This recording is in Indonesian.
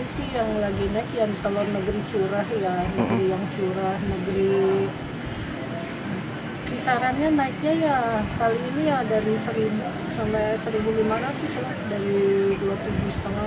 saat ini sih yang lagi naik yang telur negeri curah ya negeri yang curah negeri kisarannya naiknya ya kali ini ya dari seribu sampai seribu lima ratus rupiah